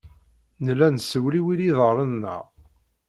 Nella nessewliwil iḍarren-nneɣ.